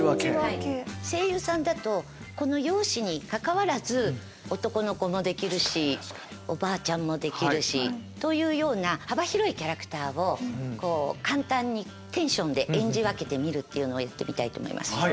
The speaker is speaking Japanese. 声優さんだとこの容姿にかかわらず男の子もできるしおばあちゃんもできるしというような幅広いキャラクターを簡単にテンションで演じ分けてみるっていうのをやってみたいと思います。